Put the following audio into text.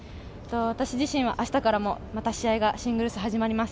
私自身は明日からもシングルスが始まります。